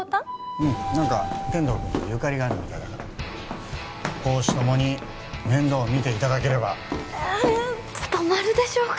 うん何か天堂君とゆかりがあるみたいだから公私ともに面倒をみていただければ務まるでしょうか